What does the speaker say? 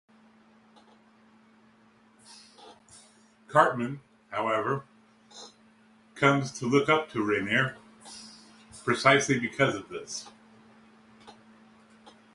Cartman, however, comes to look up to Reiner precisely because of this.